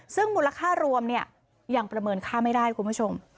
ซึ่งมูลค่ารวมเนี่ยยังประเมินค่าไม่ได้คุณผู้ชม